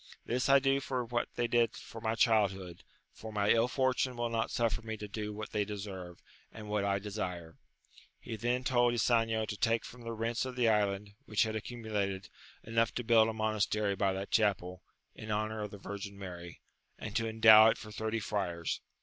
This I do for what they did for my childhood, for my ill fortune wiU not suffer me to do what they deserve, and what I desire. He then told Ysanjo to take from the rents of the island, which had accumulated, enough to bmld a monastery by that chapel, in honour of the Virgin Mary, and to endow it for thirty friars.